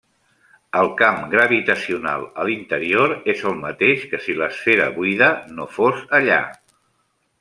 El camp gravitacional a l'interior és el mateix que si l'esfera buida no fos allà.